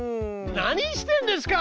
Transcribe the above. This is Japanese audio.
何してんですか？